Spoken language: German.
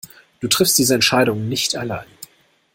Du triffst diese Entscheidungen nicht allein.